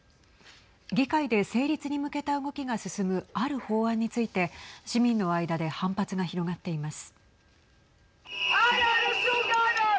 議会で成立に向けた動きが進むある法案について、市民の間で反発が広がっています。